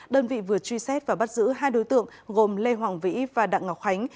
đơn vị vừa truy xét và bắt giữ hai đối tượng gồm lê hoàng vĩ và đặng ngọc khánh